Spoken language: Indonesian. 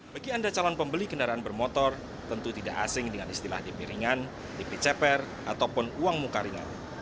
bagi anda calon pembeli kendaraan bermotor tentu tidak asing dengan istilah dp ringan dp ceper ataupun uang muka ringan